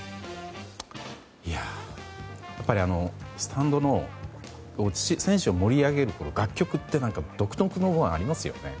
やっぱりスタンドの選手を盛り上げる楽曲って独特のものがありますよね。